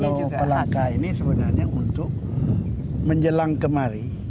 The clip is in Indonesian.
kalau palangka ini sebenarnya untuk menjelang kemari